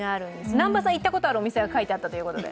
南波さん、行ったことがあるお店が書いてあったということで。